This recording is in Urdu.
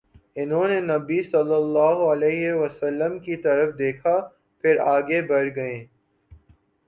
انھوں نے نبی صلی اللہ علیہ وسلم کی طرف دیکھا، پھر آگے بڑھ گئے